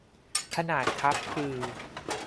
ขนาดคัพคือ